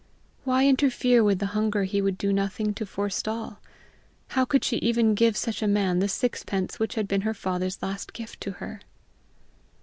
Why interfere with the hunger he would do nothing to forestall? How could she even give such a man the sixpence which had been her father's last gift to her?